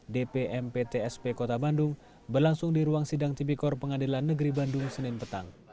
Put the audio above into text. dpm ptsp kota bandung berlangsung di ruang sidang timikor pengadilan negeri bandung senin petang